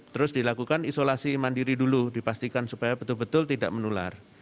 terus dilakukan isolasi mandiri dulu dipastikan supaya betul betul tidak menular